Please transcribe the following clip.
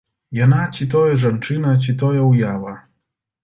Яна ці тое жанчына, ці тое ўява.